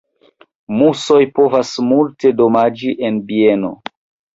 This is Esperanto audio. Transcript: Musoj povas multe damaĝi en bieno.